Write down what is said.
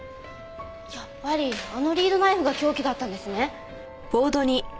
やっぱりあのリードナイフが凶器だったんですね。